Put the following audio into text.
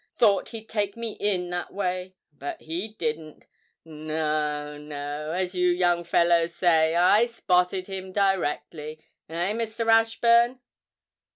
Thought he'd take me in that way, but he didn't. No, no, as you young fellows say, I "spotted" him directly; eh, Mr. Ashburn?'